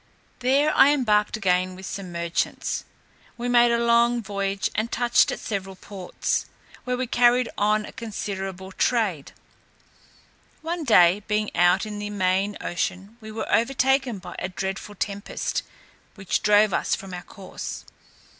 There I embarked again with some merchants. We made a long voyage, and touched at several ports, where we carried on a considerable trade. One day, being out in the main ocean, we were overtaken by a dreadful tempest, which drove us from our course.